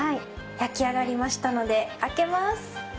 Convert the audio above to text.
焼き上がりましたので開けます。